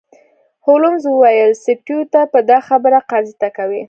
هولمز وویل سټیو ته به دا خبره قاضي ته کوې